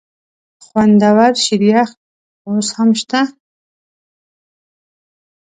خوندور شریخ اوس هم شته؟